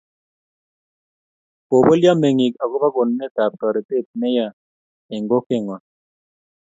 kobolyo meng'ik akobo konunetab torite ne ya eng' kokweng'wang'